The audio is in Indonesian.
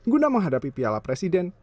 guna menghadapi piala presiden